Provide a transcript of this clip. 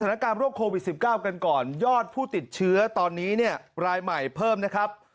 ศาลกรรมโรคโควิด๑๙กันก่อนยอดผู้ติดเชื้อตอนนี้รายใหม่เพิ่ม๒๓๐ราย